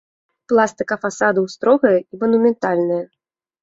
Пластыка фасадаў строгая і манументальная.